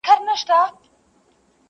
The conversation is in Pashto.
انسانان هڅه کوي هېر کړي خو زړه نه مني,